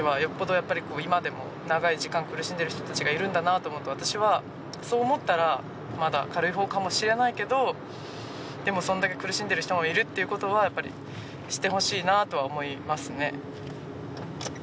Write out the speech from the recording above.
よっぽどやっぱり今でも長い時間苦しんでる人たちがいるんだなと思うと私はそう思ったらまだ軽いほうかもしれないけどでもそれだけ苦しんでる人もいるっていうことはやっぱり知ってほしいなとは思いますね。